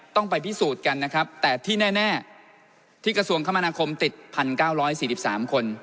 ต้องไปพิสูจน์กันนะครับแต่ที่แน่แน่ที่กระทรวงคมราคมติดพันเก้าร้อยสี่สิบสามคน